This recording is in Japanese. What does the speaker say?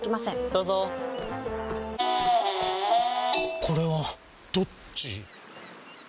どうぞこれはどっち？